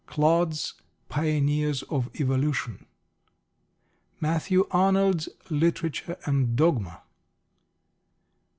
_ Clodd's Pioneers of Evolution. Matthew Arnold's _Literature and Dogma.